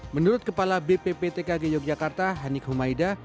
menurut kepala bpptkg yogyakarta hanik humaida